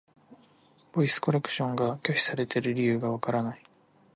ボイスコレクションが拒否されている理由がわからない。